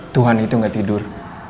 tuhan itu gak tidur